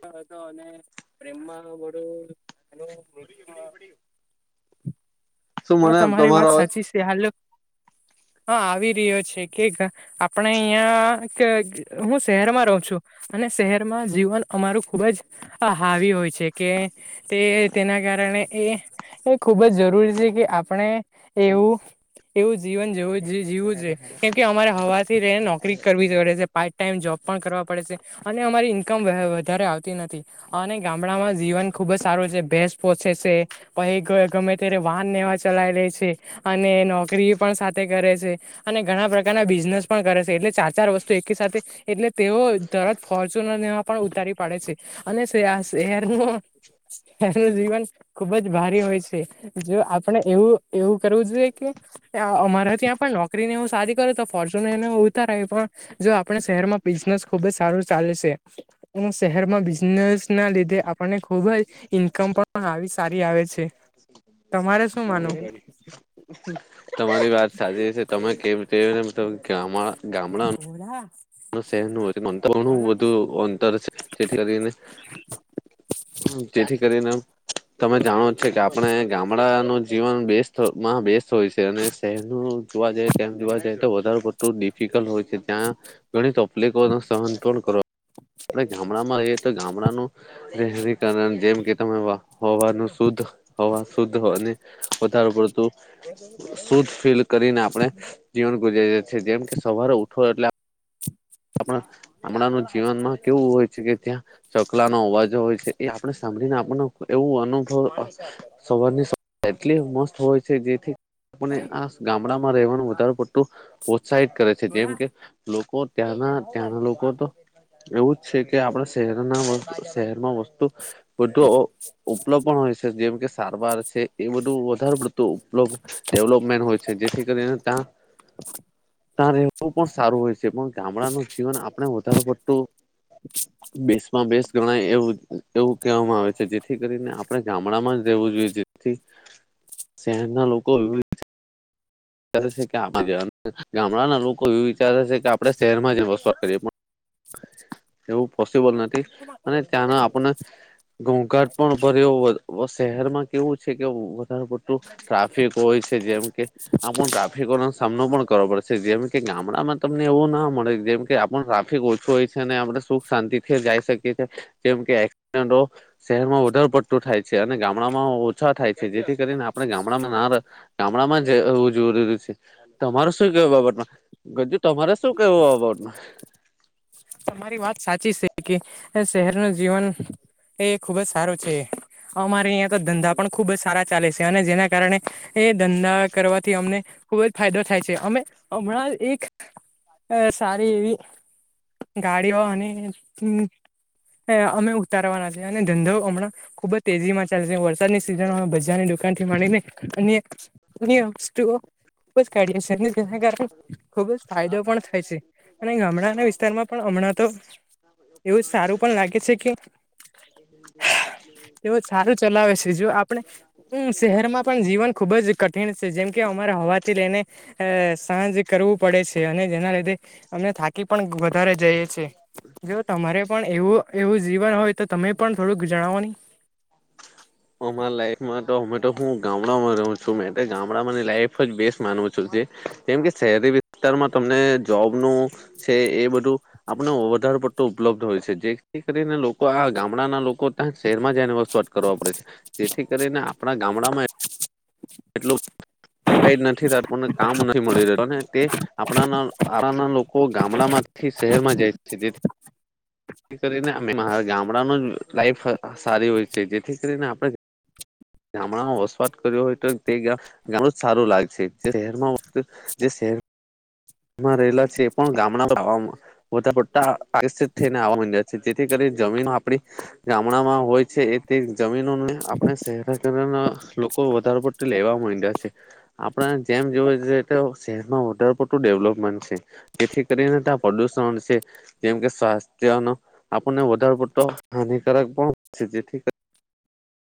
હતો અને પ્રેમમાં વડું એનું મૃત્ય. શું હા મને તમારી તમારો વાત અવાજ સાચી છે હાલ હા આવી રહ્યો છે કેક. આપણે અહિયાં કે હું શહેરમાં રહું છું. અને શહેરમાં જીવન અમારું ખુબ જ હાવી હોય છે કે. તે તેના કારણે એ ખુબ જ જરૂરી છે કે. આપણે એવું એવું જીવન જવું જીવું છે. કેમ કે અમારે હવાથી ર નોકરી કરવી જ પડે છે પાર્ટ ટાઈઇમ જોબ પણ કરવા પડે છે અને અમારી ઈન્કમ વધારે આવતી નથી. અને ગામડામાં જીવન ખુબ જ સારું છે ભેસ પોસેે છે. પછ ગમે ત્યારે વાહન નેવા ચલાય લે છે અને નોકરી પણ સાથે કરે છે અને ઘણા પ્રકારના બિઝનેસ પણ કરે છે એટલે ચાર ચાર વસ્તુ એક સાથે. એટલે તેઓ તરત ફોર્ચુનર એમાં પણ ઉતારી પાડે છે. અને શ હશે હેારનું. એનું જીવન ખુબ જ ભારી હોય છે જો. પણ એવું એવું કરવું જોઈએ કે. અમારા ત્યાં પણ નોકરીને હું સારી કરું તો ફોર્ચ્યુનરને હ ઉતાર આવી પણ. જો આપણા શહેરમાં બિઝનેસ ખુબ જ સારું ચાલે છે. શહેરમાં બિઝનેસ ના લીધે આપણને ખુબ જ ઈન્કમ પણ. પણ આવી સારી આવે છે તમારે. શું માનવું તમારી વાત સાચી હશે તમે કેમને મ કે. હે બોડાા. શહેર ન નું બધું અંતર છે જેથી કરીને. તેથી કરીને. તમે જાણો છે કે આપણે ગામડાનું જીવન બેસ્ટમાં બેસ્ટ હોય છે અને. તેમનું જોવા જાય તેમ જોવા જાય તો વધું ડિફિકલ્ટ હોય છે ત્યાં ગણ. તિકો ન સહન પણ કરો આપણે ગામડામાં રહીએ તો ગામડાનું. શરીકરણ જેમ કે તમે હોવાનું શુદ્ધ હોવા શુદ્ધ અને. કથાર ઉપર તો. શુદ્ધ ફીલ કરીને આપણે જીવન ગુજારી છીએ જેમ કે સવારે ઉઠો એટલે. આપ હમણાંનું જીવનમાં કેવું હોય છે કે ત્યાં ચકલા નો અવાજો હોય છે એ આપે સાંભળીને આપનો એવું અનુભવ સવારની સ એટલી મસ્ત હોય છે જેથી આપને આ ગામડામાં રહેવાનું વધારે પડતું પ્રોત્સાહિત કરે છે જેમ કે લોકો ત્યાંના ત્યાંના લોકો તો એવું જ છે કે આપડા શહેરના વસ્ શહેરમાં વસ્તુ બુ ઉપલબ્ પણ હોય છે જેમ કે સારવાર છે. એ બધું વધારે પડતું ડેવલપમેન્ટ હોય છે જેથી કરીને ત્યા ત્યાં રહેવું પણ સારું હોય છે પણ ગામડાનું જીવન આપણે વધારે પડતું [inaudible] બેસમાં બેસ ગણાય એવું એવું કહેવામાં આવે છે જેથી કરીને આપણેે ગામડામાં જ રહેેવું જોઈએ જેથી [inaudible] શહેર ના લોકો એ ગામડાના લોકો એવું વિચારે છે કે આપડે શહેરમાં જ વસવા કરીએ પણ [inaudible] એવું પોસબલ નથી અને ત્યાંના આપણે ઘઉંઘાટ પણ ભરે શહેરમાં કેવું છે કે વધારે પડતું ટ્રાફિક હોય છે જેમ કે આ ટ્રાફિકોનો સામનો પણ કરવો પડશે જેમ કે ગામડામાં તમને એવું ના મળે જેમ કે આપણ ટ્રાફિક ઓછું હોય છે અને આપણે સુખ શાંતિ થી જઈ શકીએ છએ જેમ કેડ શહેરમાં વધારે પડતું થાય છે અને ગામડામાં ઓછા થાય છે જેથી કરીને આપણે ગામડામાં ના ગામડામાં જ જરૂરી છે તમારે શું કેવું બાબતમાં ગજ તમારે શું કેવું બાબતમાં? તમારી વાત સાચી છે કે શહેર ન જીવન એ ખુબ જ સારું છે. અમારે અહં તો ધંધા પણ ખુબ જ સારા ચાલે છે અને જેના કારણે એ ધંધા કરવાથી અમને ખુબ જ ફાયદો થાય છે અમે હમણાં એક અ સારી એવી ગાડીઓ અને હ હ અમે ઉતારવાના છી અને ધંધો હમણાં ખુબ જ તેજી માં ચાલશે વ વરદની સિઝ બજારની દુકાન થી માંને અ અન વતુ ખુબ જ કાઢ તેના કારણે ખુબ જ ફાયદો પણ થાય છે અને ગામડાના વિસ્તારમાં પણ હમણાં તો એવું સારું પણ લાગે છે કે એવ સારું ચલાવે છે જો આપણે શહેરમાં પણ જીવન ખુબ જ કઠિન છે જેમ કે અમારા હવાથી લઈને સાંજ કરવું પડે છે અને જેના લીધે અમને થાકી પણ વધારે જઈ છે જો તમારે પણ એવું એવું જીવન હોય તો તમે પણ થોડુંક જણાવો ને. અમારા લાઈફમાં તો અમે તો હું ગામડામાં રહ છું ગામડા લાઈફ જ બેસ્ટ માનું છું. કેમ કે શહેરી વિસ્તારમાં તમને જોબનું છે એ બધું આપણે વધારે પટતો ઉપલબ્ધ હોય છે જેથી કરીને લોકો આ ગામડાના લોકો ત્યાં શહેર માં જઈને વસ્ કરવા પડે છે જેથી કરીને આપણા ગામડામાં [inaudible] એટલું નથીને કામ નથી મળી રહ તે આપણાના આરાના લોકો ગામડામાંથી શહેરમાં જાય છે. [inaudible] થી કરીને અરા ગામડાનું લાઈફ સારી હોય છે જેથી કરીને આપણે ગામડામાં વસવાટ કર્યો હોય તો તે ગણું જ સારું લાગશે જે શહેરમાં જે શહેર માં રહેલા છે એ પણ ગામડા ગમાં બા પ આષિત થઈને આવ છે જેથી કરીને જમીન આપડી ગામડામાં હોય છે એ તે જમીનોને આપણે શહેરાના લોકો વધારે પડતી લેવા માંડ્યા છે. આપડે જેમ જોય છેએ તો શહેરમાંરપુર ડેવલપમેન્ટ છે જેથી કરીને ત્યા પ્રદ્યુષણ છે. જેમ કે સ્વાસ્થ્ય ન આપણને વધારે પડતો હાનિકારક પણ જેથી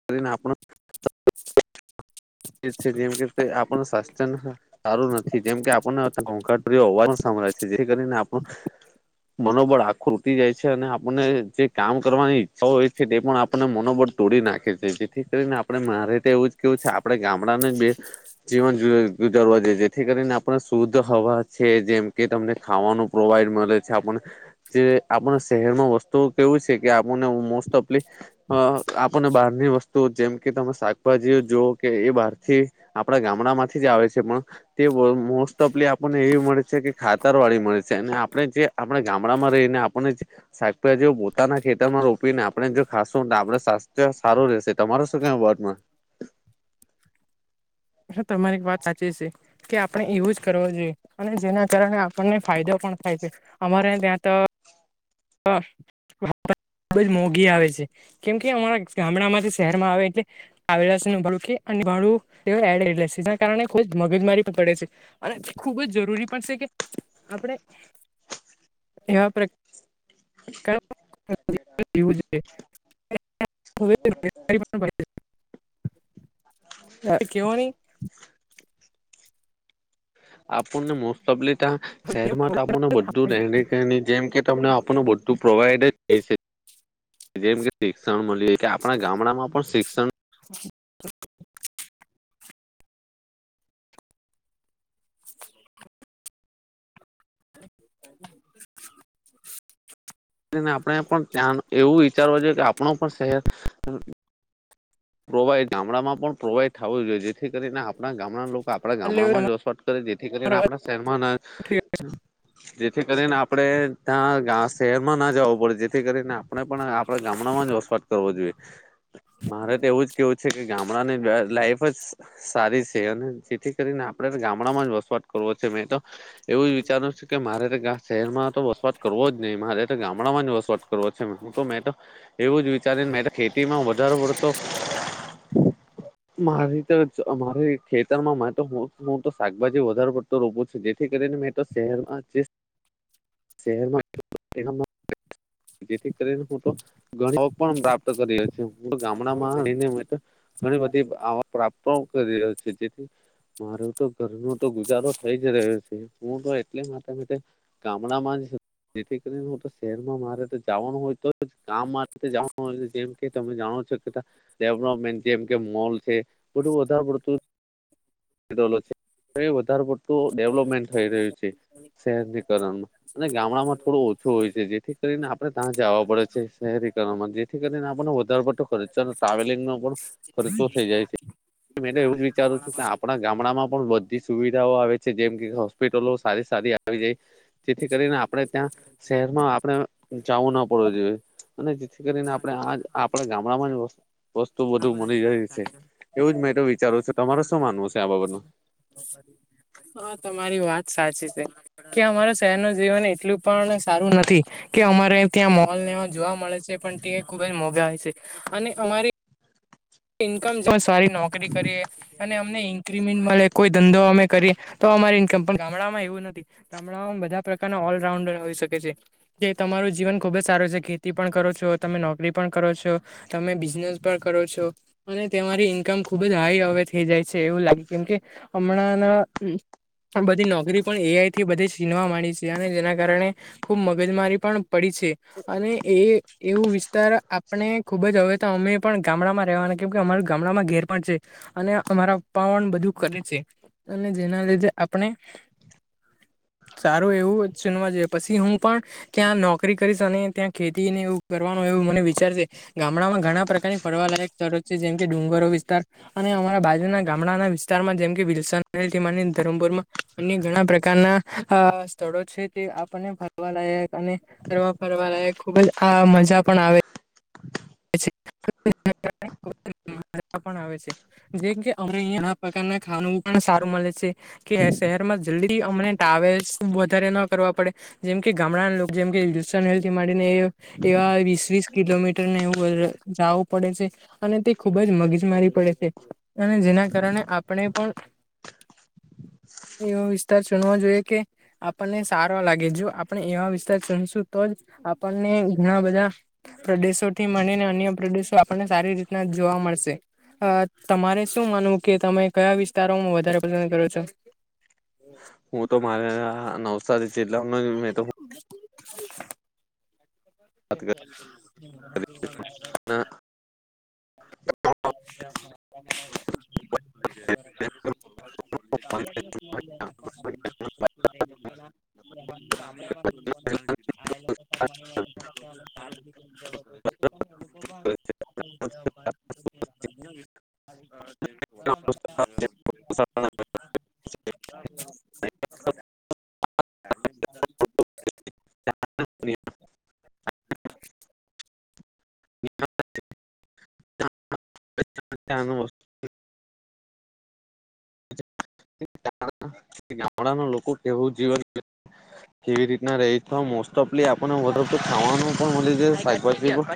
કરીને આપણ છેમ કે આપણ સારું નથી જેમ કે આપણને ઘોઘાટ ભર્યો અવાજ સાભળાય છે જે કરીને આપ મનોબળ આ ખૂટી જાય છે અને આપણને જે કામ કરવાની ઈચ્છાઓ હોય એ પણ આપણને મનોબળ તોડી નાખે છે જેથી કરીને આપણે મારે રીતે એવું જ કેવું છે આપણેે ગામડા ને બે જીવન ગુજારીએ જેથી કરીને આપણ શુદ્ધ હવા છે જેમ કે તમને ખાવાનું પ્રોવાઈડ મળે છે આપ જે આપણા શહેરમાં વસ્તુઓ કેવું છે કે આપણને મોસ્ટ ઓફલી અ આપણને બહારની વસ્તુ જેમ કે તમે શાકભાજી જો કે એ બહારથી આપડા ગામડા માંથી જ આવે છે પણ તે મોસ્ટ ઓફલી આપણને એવી મળે છે કે ખાતર વાળી મળે છે અને આપણે જે આપણે ગામડામાં રહીને આપણને શાકભાજી પોતાના ખેતરમાં રોપીને આપણે જો ખાશુંને આપણુ સ્વાસ્થ્ય સારું રહેશે તમારે શું કેવુ આ વર્ડ મા હ તમારી એક વાત સાચી છે. કે આપણે યુઝ કરવો જોઈએ અને જેના કારણે આપણને ફાયદો પણ થાય છે અમારે ત્યાં તો હા ખૂબ જ મોંઘી આવે છે કેમ કે અમારા ગામડામાંથી શહેરમાં આવે એટલે આવેલા છે ભ અને ભડું એડ છે જેના કારણે થોડીક મગજમારી પણ પડે છે. અને ખૂબ જ જરૂરી પણ છે કે આપણે એવા પ્ર [inaudible] કેવો નહી આપણને મોસ્ટ ઓફલી શહેરમાં આપને બધું રહેણીકેણી જેમ કે તમને આપણને બધું પ્રોવાઈડ જ થાય છે જેમ કે શિક્ષણ મળી કે આપણા ગામડામાં પણ શિક્ષણ [inaudible] [inaudible] ને આપણેે પણ ત્યા એવું વિચારવું જોઈએ કે આપણુ પણ શહેર પ્રોવાઈડ ગામડામાં પણ પ્રોવાઈડ થવું જોઈએ જેથી કરીને આપણા ગામના લોકો આપડા ગામડામાં વસવાટ કરે જેથી કરીને આપણા શહેરમાં જેથી કરીને આપણેે ત્યાં શહેરમાં ના જવું પડે જેથી કરીને આપણે પણ આપણેે ગામડામાં જ વસવાટ કરવો જોઈએ મારે એવું જ કેવું છે કે ગામડાનીને લાઈફ જ સારી છે અને જેથી કરીને આપડે ગામડામાં જ વસવાટ કરવો છે મેં તો એવું જ વિચારવું છે કે મારે શહેરમાં તો વસવાટ કરવો જ નહી મારે તો ગામડામાં વસવાટ કરવો જોઈએ તો મેં તો એવું જ વિચારી મેં તો ખેતીમાં વધારે પડતો [inaudible] મારી તો મારે ખેતરમાં હું તો શાકભાજી વધારે પડ તો રોપો છે જેથી કરીને મેં તો શહેરમાં [inaudible] શહેરમાં જેથી કરીને હું તો ઘણ પણ પ્રાપ્ત કરી ગામડામાં ઘણી બધી પ્રાપ્તો કરી રહ્યો છે જેથી માર તો ઘરનો તો ગુજારો થઇ જ રહ્યો છે હું તો એટલે માટે ગામડાંમાં જેથી કરીને હું તો શહેરમાં મારે તો જાવાનું હોય તો ગામ માટે જાવાનું હોય જેમ કે તમે જાણો છો ડેવલપમેન્ટ જેમ કે મોલ છે બધું વધારે પડતું વધારે પડતું ડેવલોપમેન્ટ થઈ રહ્યું છે શહેરીકરણમાં અને ગામડા માં થોડો ઓછો હોય છે જેથી કરીને આપડણે ત્યાં જવા પડે છે શહેરીકરણમાં જેથી કરીને આપણો વધારેો પડતો. ટ્રાવેલંગ ન પણ ખર્ચો થઈ જાય છેવું વિચારું છું કે. આપણા ગામડામાં પણ બધી સુવિધાઓ આવે છે જેમ કે હોસ્પિટલો સારી સારી આવી જાય. જેથી કરીને આપણે ત્યાં શહેરમાં આપણે જવું ના પડવું જોઈએ. અને જેથી કરીને આપણે આ આપણા ગામ. વસ્તુ બધું મળી રાય છે એવું જ મેં તો વિચારું છું તમારે શું માનવું છે. નાા બાબરનું. હા તમારી વાત સાચી છે. કે અમારા શહેર ન જીવન એટલું પણ સારું નથી કે અમારે ત્યાં મોલ ને જોવા મળે છે. પણ તે ખુબ જ મોંઘા હોય છે અને અમારે ઇન્કમ તો સારી નોકરી કરીએ અને. ને ઇન્કિમેન્ટ મળે કોઈ ધંધો અમે કરીએ તો અમારી કમ ગામડામાં એવું નથી. હમણાં બધા પ્રકારના ઓલરાઉન્ડર આવી શકે છે. કે તમારું જીવન ખુબ જ સારું છે ખેતી પણ કરો છો તમે નોકરી પણ કરો છો. તમે બિઝનેસ પણ કરો છો. અને તમારી ઈન્કમ ખુબ જ હાઈ હવે થઈ જાય છે એવું લાગે કેમકે હમણાં. બધી નોકરી પણ એઆઈ થી બધી ચીનવા માંડી છે અને જેના કારણે ખૂબ મગજમારી પણ. પડી છે અને એ એવું વિસ્તાર આપણે ખુબ જ હવે તો અમે પણ ગામડામાં. વાના કેમ કે અમાર ગામડામાં ઘેર પણ છે અને અમારાન બધું કરે છે. અને જેના લીધે આપણે. સારું એવું ચનવા જોઈએ પછી હું પણ. ત્યાં નોકરી કરીશ અને ત્યાં ખેતીને એવું કરવાનું એવું મને વિચારશે. ગામડામાં ઘણા પ્રકારની ફરવાલાયક ચરો છે જેમ કે ડુંગરો વિસ્તાર. અને અમારા બાજુના ગામડાના વિસ્તારમાં જેમ કે વિલસ ધમપુરમાં અન્ય ઘણા પ્રકારના. આ સ્થળો છે તે આપણને ભરવા લાયક અને. ફરવા ફરવા લાગ ખુબજ આ મજા પણ આવે. પણ આવે છે. જેમ કે અમ અહીંયા આ પ્રકારના ખાનું પણ સારું મળે છે. કે શહેરમાં જલ્દી અમને ટ્રાવેલ્સ વધારે ન કરવા પડે. જેમ કે ગામડાના જેમકે હિન્દુસ્તાથીને એવા વીસ વીસ કિલોમીટરને એ. જવું પડે છે અને તે ખુબ જ મગીજ મારી પડે છે. અને જેના કારણે આપણે પણ. એવો વિસ્તાર જોણવા જોઈએ કે. આપણને સારા લાગે જો આપણે એવા વિસ્તાર ચનશું તો જ આપણને ઘણા બધા. પ્રદેશોથી મળ ને અન્ય પ્રદેશો આપણને સારી રીતના જોવા મળશે. અ તમારે શું માનવું કે તમે કયા વિસ્તારોમાં વધારે પસંદ કરો છો. હું તો મારે નવસારીટલા મે. વાત મને. તો. [inaudible] [inaudible] [inaudible] જર લોકો પણ આપ. હ. એ. [inaudible] હ. ચસ્. [inaudible] ગામડાના લોકો કેવું જીવન કેવી રીતના રહી છે મોસ્ટ ઓફલી આપણને ખાવાનું પણ મળી જ સા